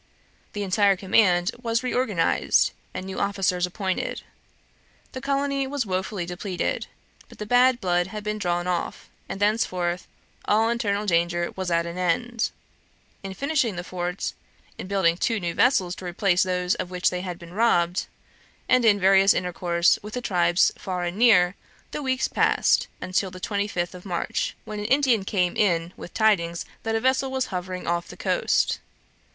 The entire command was reorganized, and new officers appointed. The colony was wofully depleted; but the bad blood had been drawn off, and thenceforth all internal danger was at an end. In finishing the fort, in building two new vessels to replace those of which they had been robbed, and in various intercourse with the tribes far and near, the weeks passed until the twenty fifth of March, when an Indian came in with the tidings that a vessel was hovering off the coast.